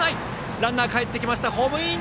ランナーかえってきましたホームイン！